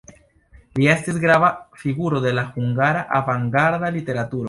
Li estis grava figuro de la hungara avangarda literaturo.